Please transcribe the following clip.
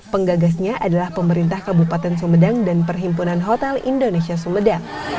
penggagasnya adalah pemerintah kabupaten sumedang dan perhimpunan hotel indonesia sumedang